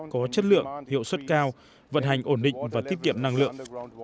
có chất lượng hiệu suất cao vận hành ổn định và tiết kiệm năng lượng